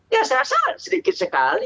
ya saya rasa sedikit sekali